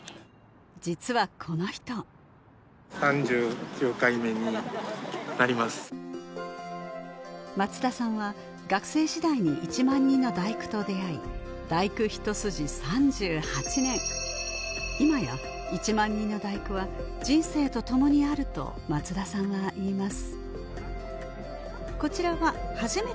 実はこの人松田さんは学生時代に「１万人の第九」と出会い「第九」ひと筋３８年今や「１万人の第九」は人生と共にあると松田さんは言います